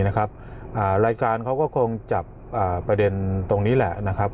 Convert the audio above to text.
รายการเขาก็คงจับประเด็นตรงนี้แหละนะครับ